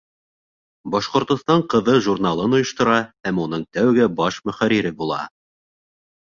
«Башҡортостан ҡыҙы» журналын ойоштора һәм уның тәүге баш мөхәррире була.